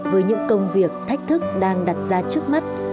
với những công việc thách thức đang đặt ra trước mắt